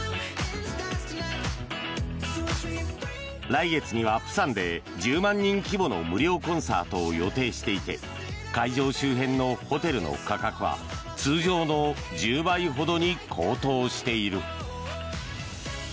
来月には釜山で１０万人規模の無料コンサートを予定していて会場周辺のホテルの価格は通常の１０倍ほどに高騰している。